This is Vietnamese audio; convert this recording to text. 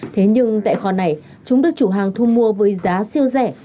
thế nhưng tại kho này chúng được chủ hàng thu mua với giá siêu rẻ